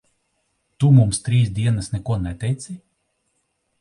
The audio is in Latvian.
Tu mums trīs dienas neko neteici?